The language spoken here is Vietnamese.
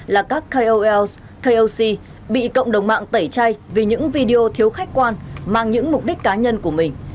là các kols koc bị cộng đồng mạng tẩy chay vì những video thiếu khách quan mang những mục đích cá nhân của mình